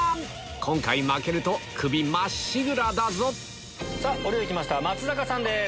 今回負けるとクビまっしぐらだぞお料理来ました松坂さんです。